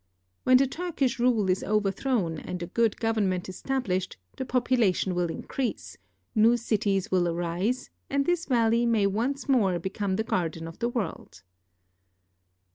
When the Turkish rule is overthrown and a good government established the population will increase, new cities will arise, and this valley may once more become the garden of the world.